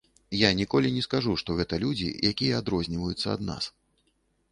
Я ніколі не скажу, што гэта людзі, якія адрозніваюцца ад нас.